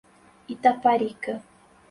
Itaparica